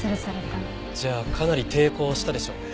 じゃあかなり抵抗したでしょうね。